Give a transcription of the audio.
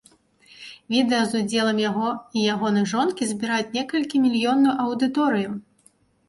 Відэа з удзелам яго і ягонай жонкі збіраюць некалькі мільённую аўдыторыю.